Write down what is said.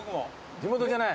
地元じゃない？